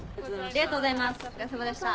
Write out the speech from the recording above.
ありがとうございます。